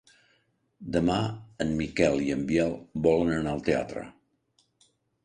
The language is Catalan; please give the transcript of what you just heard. Demà en Miquel i en Biel volen anar al teatre.